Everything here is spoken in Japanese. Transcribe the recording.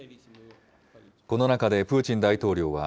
この中でプーチン大統領は、